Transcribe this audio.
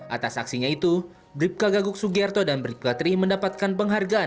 atas aksinya itu bripka gaguk sugierto dan bripka tri mendapatkan penghargaan